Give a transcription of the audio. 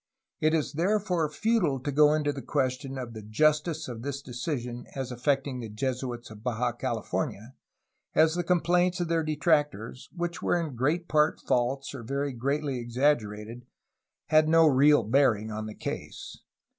It is therefore futile to go into the question of the justice of this decision as affecting the Jesuits of Baja California, as the complaints of their detractors, which w^ere in great part false or very greatly exaggerated, had no real bearing on the case.